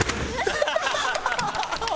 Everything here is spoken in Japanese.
ハハハハ！